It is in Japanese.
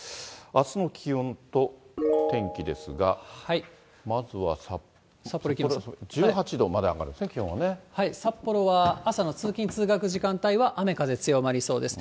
あすの気温と天気ですが、まずは札幌、１８度まで上がるんですね、札幌は朝の通勤・通学の時間帯は、雨、風強まりそうです。